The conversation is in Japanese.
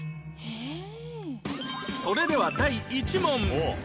それでは第１問